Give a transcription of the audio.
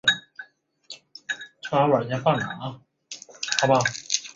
复齿脂鲤科为辐鳍鱼纲脂鲤目的一个科。